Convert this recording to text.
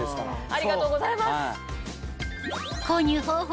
ありがとうございます！